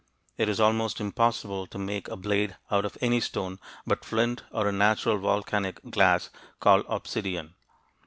It is almost impossible to make a blade out of any stone but flint or a natural volcanic glass called obsidian.